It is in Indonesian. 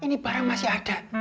ini barang masih ada